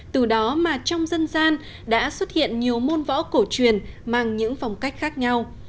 từ đó mà trong dân gian đã xuất hiện nhiều môn võ cổ truyền mang những phong cách khác nhau